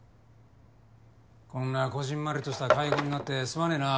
こんなこぢんまりとした会合になってすまねぇな。